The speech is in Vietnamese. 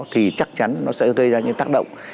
thì chắc chắn nó sẽ gây ra những tác động